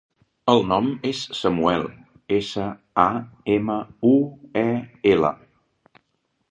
El nom és Samuel: essa, a, ema, u, e, ela.